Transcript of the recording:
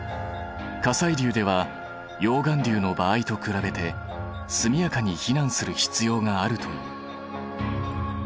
火砕流では溶岩流の場合と比べて速やかに避難する必要があるという。